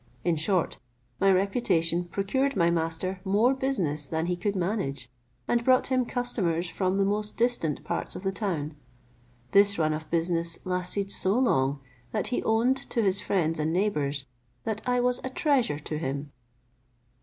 In short, my reputation procured my master more business than he could manage, and brought him customers from the most distant parts of the town; this run of business lasted so long, that he owned to his friends and neighbours, that I was a treasure to him.